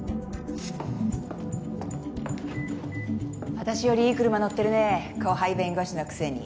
私よりいい車乗ってるね後輩弁護士のくせに。